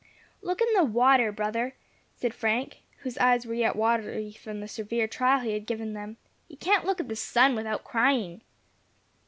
"Look in the water, brother," said Frank, whose eyes were yet watery from the severe trial he had given them. "You can't look at the sun without crying."